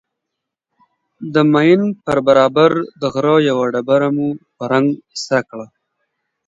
د ماين پر برابر د غره يوه ډبره مو په رنگ سره کړه.